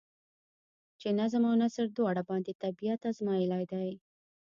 چې نظم او نثر دواړو باندې طبېعت ازمائېلے دے ۔